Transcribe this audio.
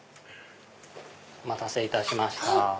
お待たせいたしました。